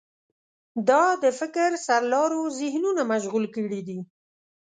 دا د فکر سرلارو ذهنونه مشغول کړي دي.